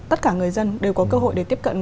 tất cả người dân đều có cơ hội để tiếp cận